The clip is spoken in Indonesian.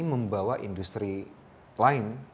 tapi membawa industri lain